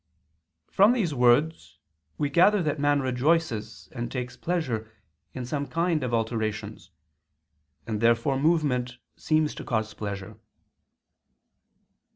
From these words we gather that man rejoices and takes pleasure in some kind of alterations: and therefore movement seems to cause pleasure.